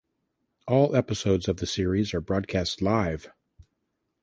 All episodes of the series are broadcast live.